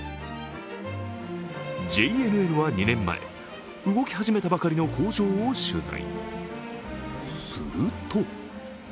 ＪＮＮは２年前、動き始めたばかりの工場を取材。